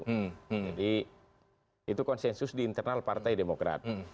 jadi itu konsensus di internal partai demokrat